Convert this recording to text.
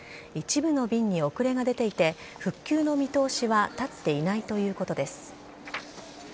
一部の便に遅れが出ていて、復旧の見通しは立っていないということです。